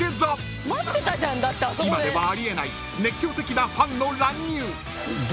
［今ではあり得ない熱狂的なファンの乱入］